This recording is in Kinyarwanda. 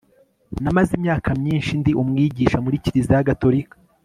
NAMAZE imyaka myinshi ndi umwigisha muri Kiliziya Gatolika